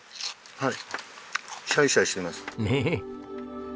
はい！